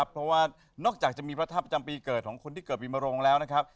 เพราะว่านอกจากจะมีพระธรรมจำปีเกิดของคนที่เกิดปีมรงค์แล้วนะครับ